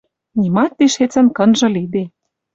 Нимат тишецӹн кынжы лиде.